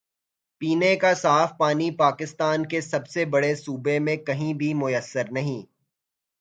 پینے کا صاف پانی پاکستان کے سب سے بڑے صوبے میں کہیں بھی میسر نہیں۔